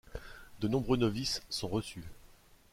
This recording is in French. De nombreux novices sont reçus.